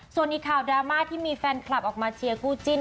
ส่วนอีกข่าวดราม่าที่มีแฟนคลับออกมาเชียร์คู่จิ้น